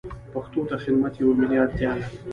پښتو ته خدمت یوه ملي اړتیا ده.